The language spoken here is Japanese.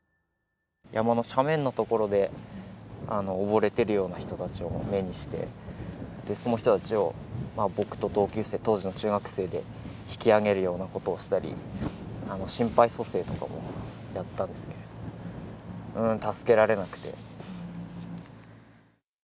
山の斜面の所で、溺れてるような人たちを目にして、その人たちを僕と同級生、当時の中学生で引き上げるようなことをしたり、心肺蘇生とかもやったんですけど、助けられなくて。